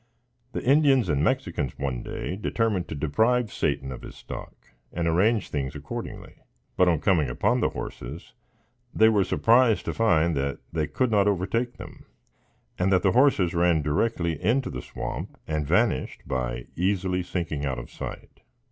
The Indians and Mexicans one day determined to deprive Satan of his stock, and arranged things accordingly; but, on coming upon the horses, they were surprised to find that they could not overtake them, and that the horses ran directly into the swamp and vanished by easily sinking out of sight.